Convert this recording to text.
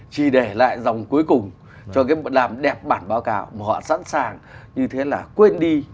chỉ để lại dòng cuối cùng cho cái làm đẹp bản báo cáo mà họ sẵn sàng như thế là quên đi